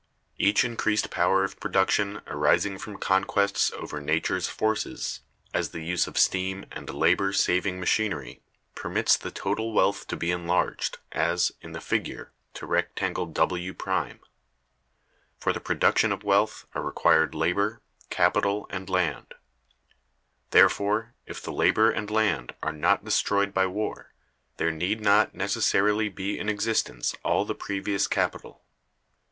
Each increased power of production arising from conquests over Nature's forces, as the use of steam and labor saving machinery, permits the total wealth to be enlarged, as, in the figure, to rectangle W'. For the production of wealth are required labor, capital, and land; therefore, if the labor and land are not destroyed by war, there need not necessarily be in existence all the previous capital.